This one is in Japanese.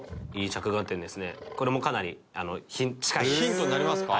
ヒントになりますか？